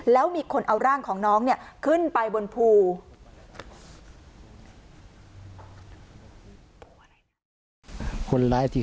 แล้วมีคนเอาร่างของน้องเนี่ยขึ้นไปบนภู